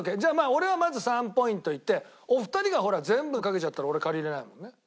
俺はまず３ポイントいってお二人が全部かけちゃったら俺借りれないもんね。